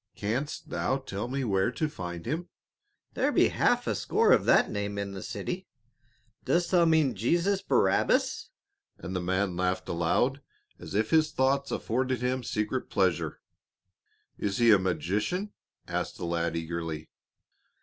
Canst thou tell me where to find him?" "There be half a score of that name in the city. Dost thou mean Jesus Barabbas?" and the man laughed aloud, as if his thoughts afforded him secret pleasure. "Is he a magician?" asked the lad eagerly.